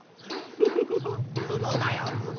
フフフフツノだよツノ。